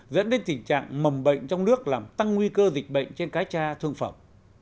dẫn đến tình trạng mầm bệnh trong nước làm tăng nguy cơ dịch bệnh trên cá cha thương phẩm